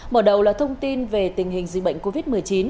mở đầu là thông tin về tình hình dịch bệnh covid một mươi chín